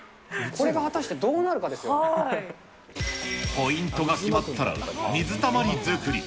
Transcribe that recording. これが果たしてどうなるかでポイントが決まったら、水たまり作り。